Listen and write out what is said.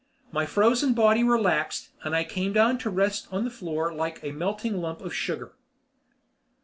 My frozen body relaxed and I came down to rest on the floor like a melting lump of sugar.